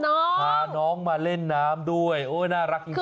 เขาพาไปเล่นน้ำด้วยน่ารักจริงแน่ก่อน